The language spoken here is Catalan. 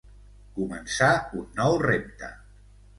Començar un nou repte.